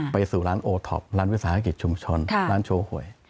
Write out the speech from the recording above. ไปสู่ร้านโอท็อปร้านวิทยาศาสตร์ฯชุมชนร้านโชว์โหย